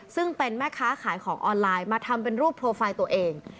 ซึ่งเป็นแม่ค้าขายของออนไลน์มาทำเป็นรูปโปรไฟล์ตัวเอง